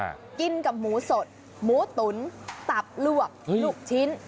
กินกับหมูสดหมูตุ๋นตับลวกลูกชิ้น